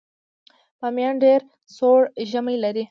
بامیان ډیر سوړ ژمی لري